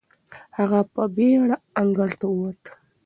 هغه په بېړه انګړ ته وووت.